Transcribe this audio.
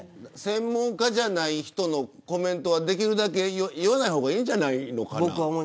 専門家じゃない人のコメントはできるだけ、言わない方がいいんじゃないかと。